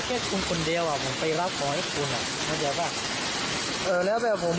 แต่ลูกค้าจะเก็บที่สุดยังไม่ปลอดภัณฑ์กว่า